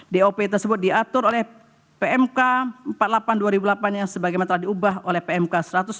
dop tersebut diatur oleh pmk empat puluh delapan dua ribu delapan yang sebagaimana telah diubah oleh pmk satu ratus empat puluh